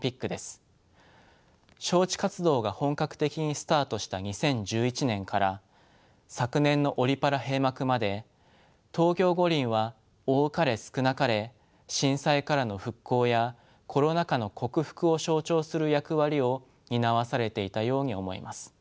招致活動が本格的にスタートした２０１１年から昨年のオリ・パラ閉幕まで東京五輪は多かれ少なかれ「震災からの復興」や「コロナ禍の克服」を象徴する役割を担わされていたように思います。